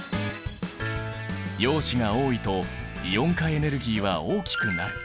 陽子が多いとイオン化エネルギーは大きくなる。